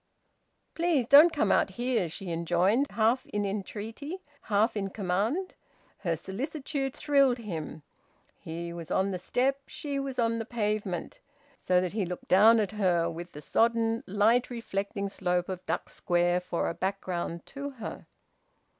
"Please don't come out here," she enjoined, half in entreaty, half in command. Her solicitude thrilled him. He was on the step, she was on the pavement: so that he looked down at her, with the sodden, light reflecting slope of Duck Square for a background to her.